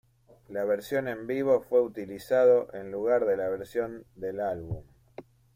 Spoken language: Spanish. La versión en vivo fue utilizado en lugar de la versión del álbum.